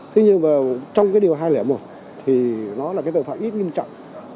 thế nhưng mà trong cái điều hai trăm linh một thì nó là cái tội phạm ít nghiêm trọng